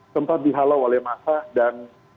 sempat dihalau oleh masa dan